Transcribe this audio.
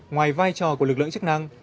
ngoài vai trò của lực lượng chức năng